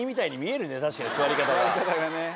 座り方がね。